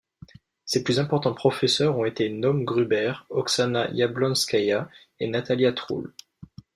Ses plus important professeurs ont été Naum Grubert, Oxana Yablonskaya et Natalia Trull.